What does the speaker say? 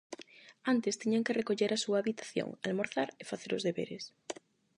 Antes tiñan que recoller a súa habitación, almorzar e facer os deberes.